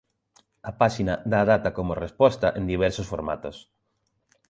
A páxina dá a data como resposta en diversos formatos.